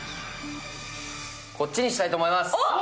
こっちにしたいと思います。